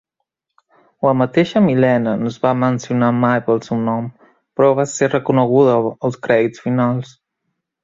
La mateixa Mileena no es va mencionar mai pel seu nom, però va ser reconeguda als crèdits finals.